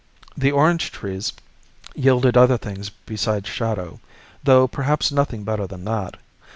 The orange trees yielded other things beside shadow, though perhaps nothing better than that.